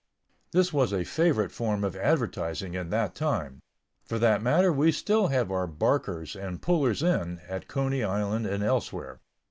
This was a favorite form of advertising in that time. For that matter, we still have our "barkers" and "pullers in" at Coney Island and elsewhere.